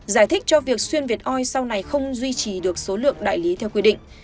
giải thích cho việc xuyên việt oi sau này không duy trì được số lượng đại lý theo quy định